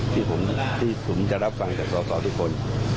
ผมจะรับฟังจากส่อทุกคน